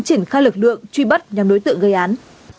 triển khai lực lượng truy bắt nhóm đối tượng gây án